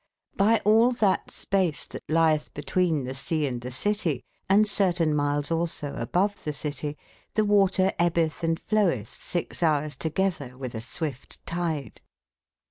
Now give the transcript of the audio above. By all tbat space tbat lietbe betwene tbe sea and tbe citie, and certen my les also above tbe citie, tbe water ebbetb and fiowetb sixe boures to/ getber witb a swift tide.